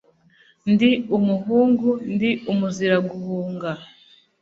Ndi umuhungu ndi umuzira guhunga.